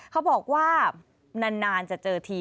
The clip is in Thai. เขาบอกว่านานจะเจอที